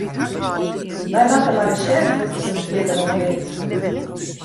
Wy moatte mar ris sjen hoe't it him fierder ûntwynt.